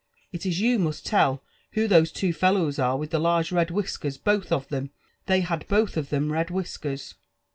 It is you must lell who those two fellows are with the krgi red whisker» ;bolh of them, Ihey had both of them red whiskers."